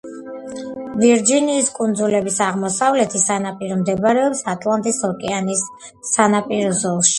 ვირჯინის კუნძულების აღმოსავლეთი სანაპირო მდებარეობს ატლანტის ოკეანის სანაპირო ზოლში.